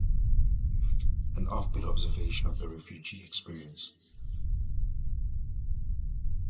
An offbeat observation of the refugee experience.